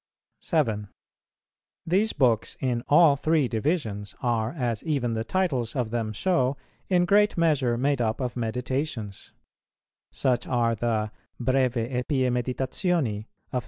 7. These books in all three divisions are, as even the titles of some of them show, in great measure made up of Meditations; such are the "Breve e pie Meditazioni" of P.